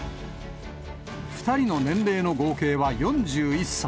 ２人の年齢の合計は４１歳。